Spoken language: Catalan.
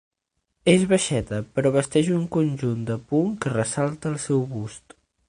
És baixeta, però vesteix un conjunt de punt que ressalta el seu bust.